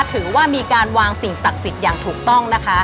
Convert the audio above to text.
ถือว่ามีการวางสิ่งศักดิ์สิทธิ์อย่างถูกต้องนะคะ